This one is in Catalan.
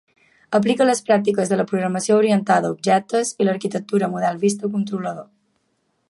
Aplica les pràctiques de la programació orientada a objectes i l'arquitectura model–vista–controlador.